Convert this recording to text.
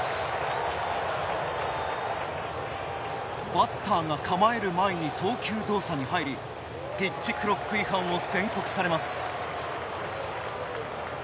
バッターが構える前に投球動作に入りピッチクロック違反を宣告されます。